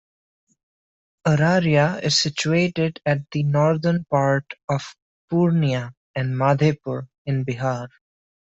Araria is situated at the northern part of Purnia and Madhepura in Bihar.